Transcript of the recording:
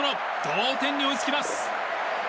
同点に追いつきます。